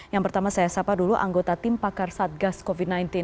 yang pertama saya sapa dulu anggota tim pakar satgas covid sembilan belas